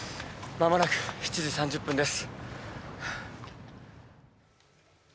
まもなく７時３０分です。